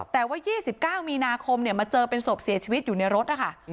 แต่ว่า๒๙มีนาคมมาเจอเป็นศพเสียชีวิตอยู่ในรถนะคะ